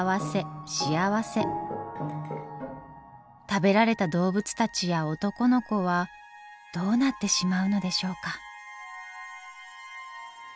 食べられた動物たちや男の子はどうなってしまうのでしょうか？